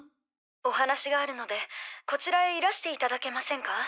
お話があるのでこちらへいらしていただけませんか。